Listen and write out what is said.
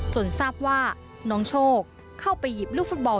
ทราบว่าน้องโชคเข้าไปหยิบลูกฟุตบอล